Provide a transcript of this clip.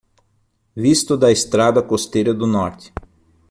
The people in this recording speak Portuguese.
Visto da estrada costeira do norte